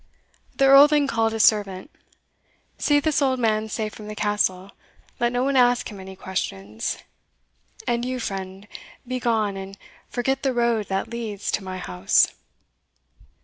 The Earl then called his servant "See this old man safe from the castle let no one ask him any questions and you, friend, begone, and forget the road that leads to my house."